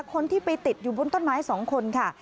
คนที่ไปติดอยู่บนต้นไม้๒คนค่ะ